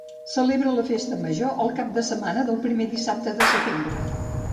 Celebra la Festa Major el cap de setmana del primer dissabte de setembre.